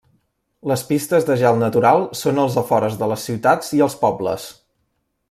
Les pistes de gel natural són als afores de les ciutats i els pobles.